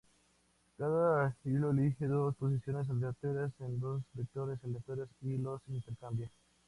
Cada hilo elige dos posiciones aleatorias en dos vectores aleatorios y los intercambia.